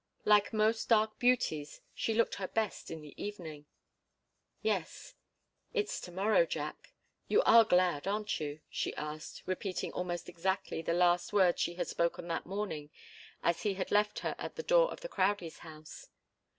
Like most dark beauties, she looked her best in the evening. "Yes it's to morrow, Jack. You are glad, aren't you?" she asked, repeating almost exactly the last words she had spoken that morning as he had left her at the door of the Crowdies' house.